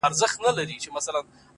چي خپلي سپيني او رڼې اوښـكي يې!!